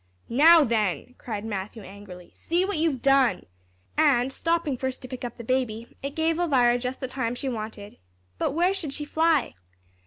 "Now, then," cried Matthew, angrily, "see what you've done!" And stopping first to pick up the baby, it gave Elvira just the time she wanted. But where should she fly?